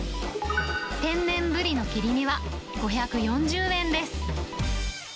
天然ブリの切り身は５４０円です。